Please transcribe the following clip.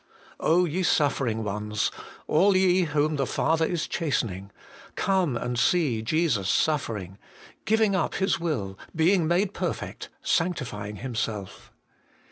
ye suffering ones ! all ye whom the Father is chastening ! come and see Jesus suffering, giving up His will, being made perfect, sanctifying Himself.